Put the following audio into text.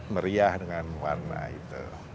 meriah dengan warna itu